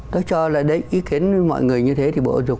tôi cho là ý kiến mọi người như thế thì bộ dục